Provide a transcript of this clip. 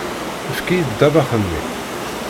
Efk-iyi-d ddabex-nni!